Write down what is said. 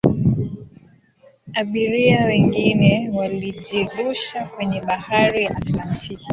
abiria wengine walijirusha kwenye bahari ya atlantiki